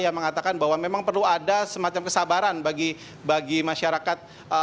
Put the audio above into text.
yang mengatakan bahwa memang perlu ada semacam kesabaran bagi masyarakat